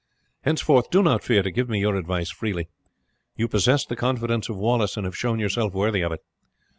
Henceforth do not fear to give me your advice freely. You possessed the confidence of Wallace, and have shown yourself worthy of it.